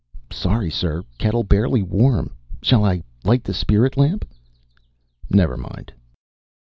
"Sorry, sir. Kettle barely warm. Shall I light the spirit lamp?" "Never mind."